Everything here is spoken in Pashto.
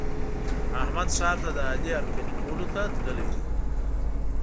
احمد ښار ته د علي هرکلي کولو ته تللی دی.